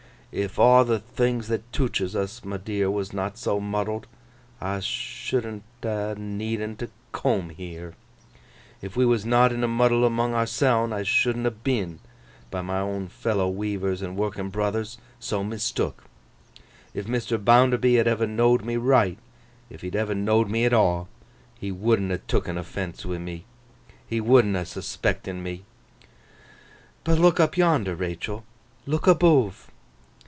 'If aw th' things that tooches us, my dear, was not so muddled, I should'n ha' had'n need to coom heer. If we was not in a muddle among ourseln, I should'n ha' been, by my own fellow weavers and workin' brothers, so mistook. If Mr. Bounderby had ever know'd me right—if he'd ever know'd me at aw—he would'n ha' took'n offence wi' me. He would'n ha' suspect'n me. But look up yonder, Rachael! Look aboove!